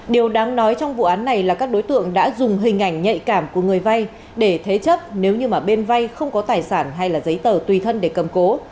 điều đáng nói trong vụ án này là các đối tượng đã dùng hình ảnh nhạy cảm của người vay để thế chấp nếu như mà bên vay không có tài sản hay là giấy tờ tùy thân để cầm cố